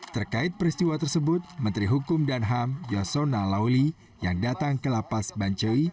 terkait peristiwa tersebut menteri hukum dan ham yosona lawli yang datang ke lapas bancai